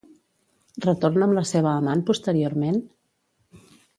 Retorna amb la seva amant posteriorment?